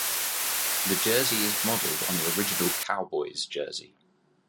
The jersey is modelled on the original Cowboys jersey.